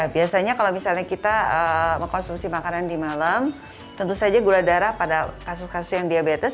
biasanya kalau misalnya kita mengkonsumsi makanan di malam tentu saja gula darah pada kasus kasus yang diabetes